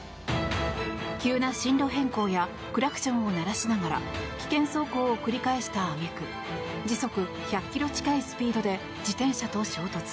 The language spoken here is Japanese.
急な進路変更やクラクションを鳴らしながら危険走行を繰り返した揚げ句時速１００ｋｍ近いスピードで自転車と衝突。